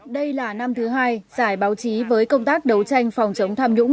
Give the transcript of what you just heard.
đây là năm thứ hai giải báo chí với công tác đấu tranh phòng chống tham nhũng